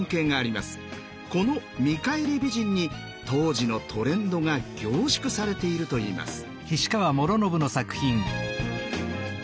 この「見返り美人」に当時のトレンドが凝縮されているといいます。